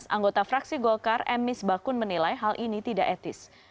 anggota fraksi golkar m mis bakun menilai hal ini tidak etis